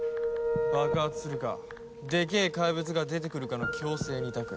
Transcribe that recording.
爆発するかでけえ怪物が出てくるかの強制２択。